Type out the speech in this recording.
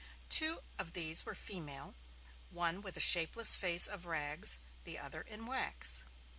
Two of these were female, one with a shapeless face of rags, the other in wax.